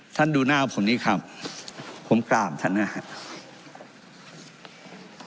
ดูหน้าผมนี้ครับผมกราบท่านนะครับ